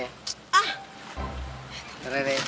tante rere jangan